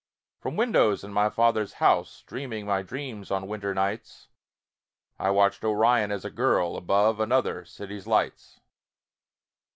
From windows in my father's house, Dreaming my dreams on winter nights, I watched Orion as a girl Above another city's lights.